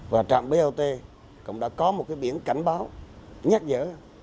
và trạm bot cũng đã có một cái biển cảnh báo nhắc dở